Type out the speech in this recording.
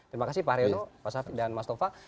terima kasih pak reyono pak syafiq dan mas tova